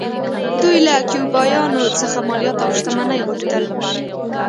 دوی له کیوبایانو څخه مالیات او شتمنۍ غوښتل